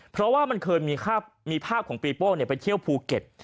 เพราะว่ามันเคยมีภาพของปีโป้งไปเที่ยวภูเก็ต